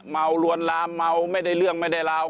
ลวนลามเมาไม่ได้เรื่องไม่ได้ราว